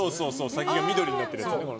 先が緑になってるやつ。